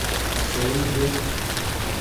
اشݳئݣ دݵک.